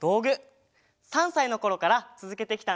３さいのころからつづけてきたんだ。